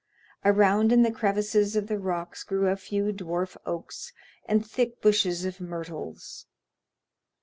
Around in the crevices of the rocks grew a few dwarf oaks and thick bushes of myrtles.